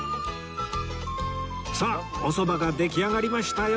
さあおそばが出来上がりましたよ